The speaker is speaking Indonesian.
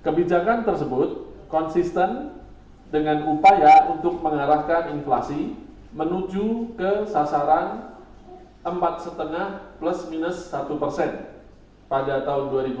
kebijakan tersebut konsisten dengan upaya untuk mengarahkan inflasi menuju ke sasaran empat lima plus minus satu persen pada tahun dua ribu empat belas